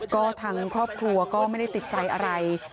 ก็ทางครอบครัวก็ไม่ได้ติดใจอะไร